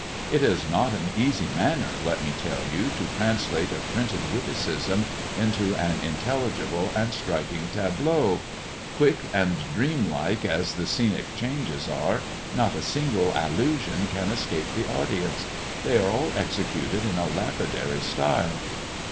It is not an easy matter, let me tell you, to translate a printed witticism into an intelligible and striking tableau. Quick and dreamlike as the scenic changes are, not a single allusion can escape the audience: they are all executed in a lapidary style.